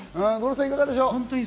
五郎さん、いかがでしょう？